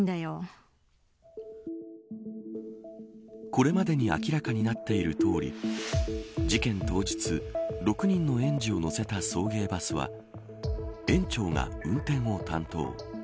これまでに明らかになっているとおり事件当日６人の園児を乗せた送迎バスは園長が運転を担当。